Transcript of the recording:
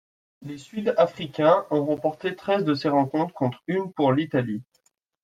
Les Sud-Africains ont remporté treize de ces rencontres contre une pour l'Italie.